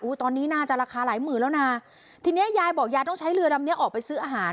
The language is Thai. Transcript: ตอนนี้น่าจะราคาหลายหมื่นแล้วนะทีเนี้ยยายบอกยายต้องใช้เรือลำเนี้ยออกไปซื้ออาหาร